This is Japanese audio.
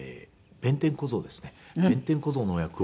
弁天小僧の役を。